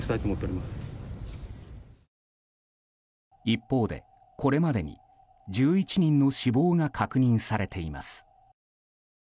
一方で、これまでに１１人の死亡が確認されています。